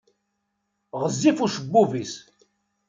Ɣezzif ucebbub-is.